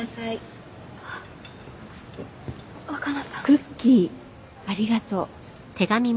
クッキーありがとう。